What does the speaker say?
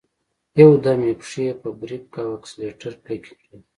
يودم يې پښې په بريک او اکسلېټر کلکې کړې.